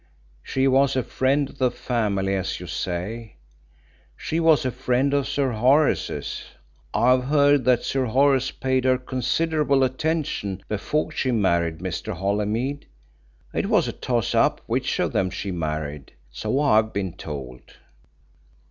"She was a friend of the family, as you say. She was a friend of Sir Horace's. I have heard that Sir Horace paid her considerable attention before she married Mr. Holymead it was a toss up which of them she married, so I've been told."